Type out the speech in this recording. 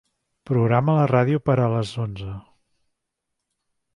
Programa la ràdio per a les onze.